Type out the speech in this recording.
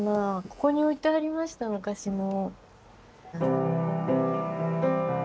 ここに置いてありました昔も。